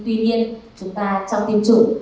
tuy nhiên chúng ta trong tiêm chủng